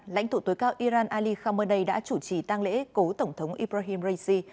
lãnh thủ tối cao iran ali khamenei đã chủ trì tăng lễ cố tổng thống ibrahim raisi